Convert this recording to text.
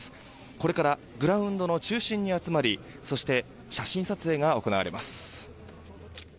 これからグラウンドの中心に集まりそして写真撮影が行われます。